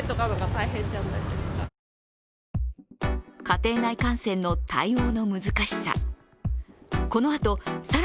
家庭内感染の対応の難しさ。